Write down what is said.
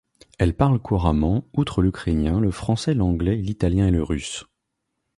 Elle parle couramment, outre l'ukrainien, le français, l'anglais, l'italien et le russe.